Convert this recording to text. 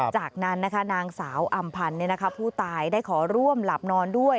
จากนั้นนางสาวอำพันธ์ผู้ตายได้ขอร่วมหลับนอนด้วย